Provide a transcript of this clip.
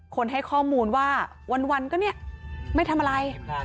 ให้ข้อมูลว่าวันก็เนี่ยไม่ทำอะไร